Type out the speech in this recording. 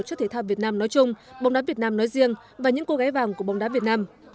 cho thể thao việt nam nói chung bóng đá việt nam nói riêng và những cô gái vàng của bóng đá việt nam